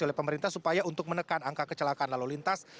oleh pemerintah supaya untuk menekan angka kecelakaan lalu lintas